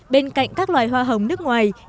bên cạnh các loài hoa hồng nước ngoài